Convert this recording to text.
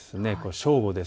正午です。